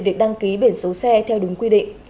việc đăng ký biển số xe theo đúng quy định